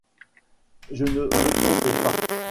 Je ne me trompais pas